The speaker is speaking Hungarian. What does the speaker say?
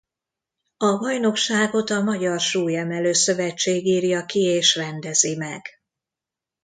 A bajnokságot a Magyar Súlyemelő-szövetség írja ki és rendezi meg.